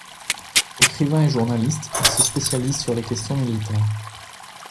Écrivain et journaliste, il se spécialise sur les questions militaires.